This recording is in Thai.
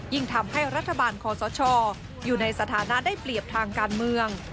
ทำให้รัฐบาลคอสชอยู่ในสถานะได้เปรียบทางการเมือง